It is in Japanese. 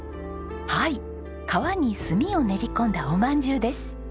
はい皮に炭を練り込んだおまんじゅうです。